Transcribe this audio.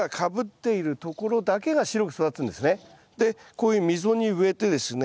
長ネギはでこういう溝に植えてですね